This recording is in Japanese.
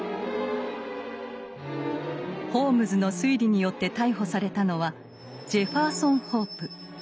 ホームズの推理によって逮捕されたのはジェファーソン・ホープ。